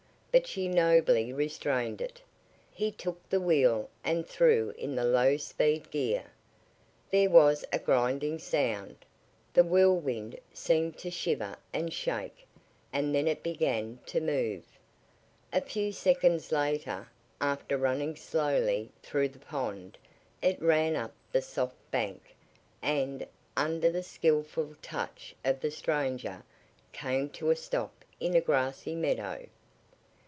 But she nobly restrained it. He took the wheel and threw in the low speed gear. There was a grinding sound, the Whirlwind seemed to shiver and shake, and then it began to move. A few seconds later, after running slowly through the pond, it ran up the soft bank, and, under the skilful touch of the stranger, came to a stop in a grassy meadow.